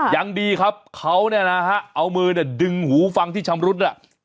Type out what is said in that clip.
ยังดีครับเขาเนี่ยนะฮะเอามือดึงหูฟังที่ชำรุด